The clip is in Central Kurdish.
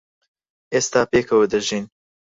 ئێستا پێکەوە دەژین.